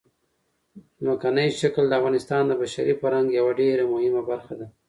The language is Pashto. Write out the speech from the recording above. ځمکنی شکل د افغانستان د بشري فرهنګ یوه ډېره مهمه برخه ده.